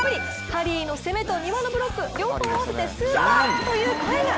ハリーの攻めと丹羽のブロック両方合わせてスーパーという声が。